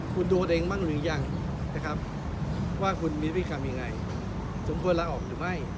คุณโดนเองบ้างหรือยังนะครับว่าคุณมีพฤติกรรมยังไงสมควรลาออกหรือไม่